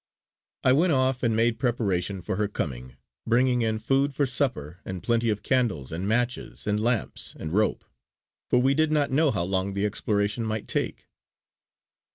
I went off and made preparation for her coming, bringing in food for supper and plenty of candles and matches and lamps and rope; for we did not know how long the exploration might take.